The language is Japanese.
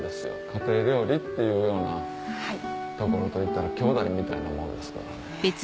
家庭料理っていうようなところといったらきょうだいみたいなもんですからね。